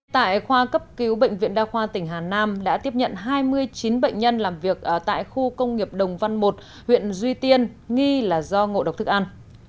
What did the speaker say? tại khoa cấp cứu bệnh viện đa khoa tỉnh hà nam đã tiếp nhận hai mươi chín bệnh nhân làm việc tại khu công nghiệp đồng văn một huyện duy tiên nghi là do ngộ độc thức ăn